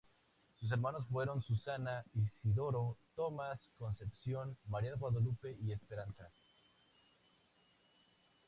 Sus hermanos fueron Susana, Isidoro, Tomás, Concepción, María Guadalupe y Esperanza.